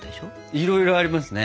いろいろありますね。